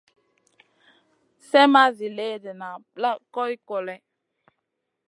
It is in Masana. Slèh ma zi léhdéna plak goy koloy.